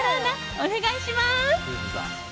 お願いします。